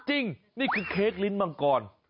ลิ้นลิ้นมังกร